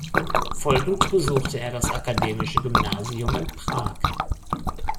Folgend besuchte er das akademische Gymnasium in Prag.